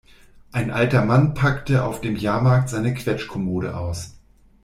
Ein alter Mann packte auf dem Jahrmarkt seine Quetschkommode aus.